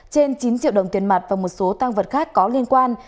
trên chín triệu đồng tiền mặt và một số tăng vật khác có liên quan